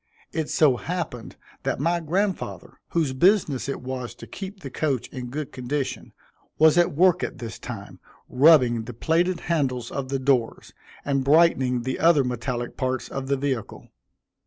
It so happened that my grandfather, whose business it was to keep the coach in good condition, was at work at this time, rubbing the plated handles of the doors, and brightening the other metallic parts of the vehicle.